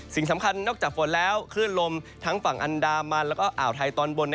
สิ่งสำคัญนอกจากฝนแล้วคลื่นลมทั้งฝั่งอันดามันแล้วก็อ่าวไทยตอนบน